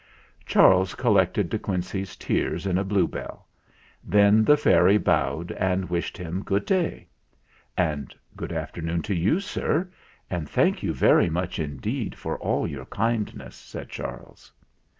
Charles collected De Quincey's tears in a bluebell; then the fairy bowed and wished him "good day." "And good afternoon to you, sir, and thank you very much indeed for all your kindness," said Charles.